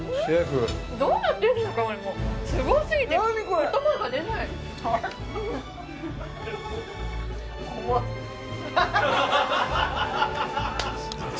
どうなってるんですかこれもすごすぎて言葉が出ない何これ！？